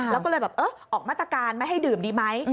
แล้วก็เลยแบบเออออกมาตรการไม่ให้ดื่มดีไหม